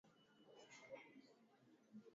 Jamii inapaswa ipate elimu ya viazi lishe